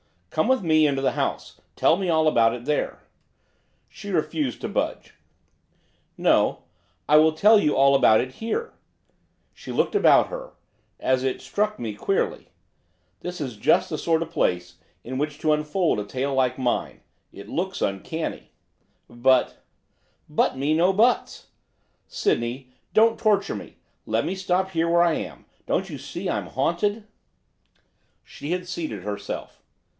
'Come with me into the house, tell me all about it there.' She refused to budge. 'No, I will tell you all about it here.' She looked about her, as it struck me queerly. 'This is just the sort of place in which to unfold a tale like mine. It looks uncanny.' 'But ' '"But me no buts!" Sydney, don't torture me, let me stop here where I am, don't you see I'm haunted?' She had seated herself.